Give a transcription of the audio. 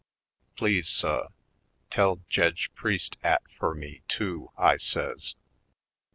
Please, suh, tell Jedge Priest 'at fur me, too!" I says.